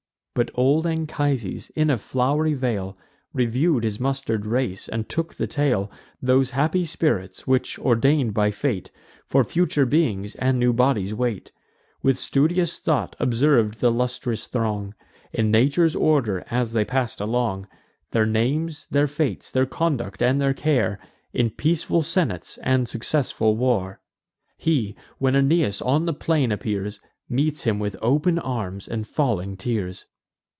But old Anchises, in a flow'ry vale, Review'd his muster'd race, and took the tale: Those happy spirits, which, ordain'd by fate, For future beings and new bodies wait. With studious thought observ'd th' illustrious throng, In nature's order as they pass'd along: Their names, their fates, their conduct, and their care, In peaceful senates and successful war. He, when Aeneas on the plain appears, Meets him with open arms, and falling tears.